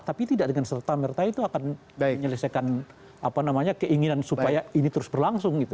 tapi tidak dengan serta merta itu akan menyelesaikan keinginan supaya ini terus berlangsung gitu